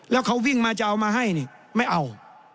แล้วเขาวิ่งมาจะเอามาให้นี่ไม่เอา